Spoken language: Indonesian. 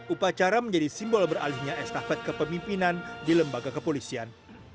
upacara menjadi simbol beralihnya estafet kepemimpinan di lembaga kepolisian